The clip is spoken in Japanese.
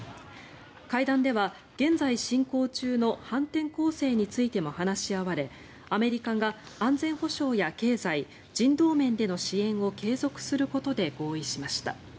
会談では、現在進行中の反転攻勢についても話し合われアメリカが安全保障や経済人道面での支援を継続することで合意しました。